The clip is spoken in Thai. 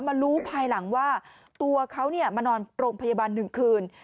มารู้ภายหลังว่าตัวเขามานอนโรงพยาบาล๑คืน